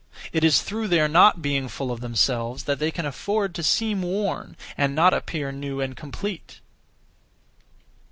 It is through their not being full of themselves that they can afford to seem worn and not appear new and complete.